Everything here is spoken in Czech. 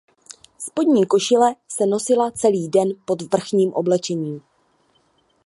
Spodní košile se nosila celý den pod vrchním oblečením.